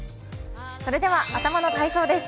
それでは頭の体操です。